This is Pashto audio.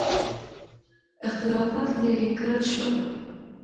اختلافات لیرې کړل شول.